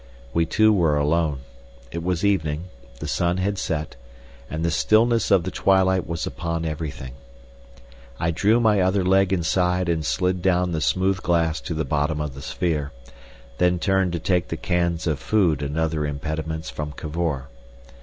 We two were alone. It was evening, the sun had set, and the stillness of the twilight was upon everything. I drew my other leg inside and slid down the smooth glass to the bottom of the sphere, then turned to take the cans of food and other impedimenta from Cavor.